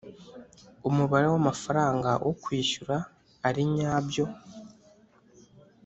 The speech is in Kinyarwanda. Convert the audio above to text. Umubare w amafaranga wo kwishyura ari nyabyo